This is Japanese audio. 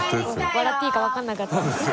笑っていいか分かんなかったです